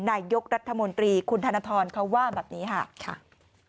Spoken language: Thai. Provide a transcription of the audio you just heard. นายกรัฐมนตรีคุณธนทรเขาว่าแบบนี้ค่ะ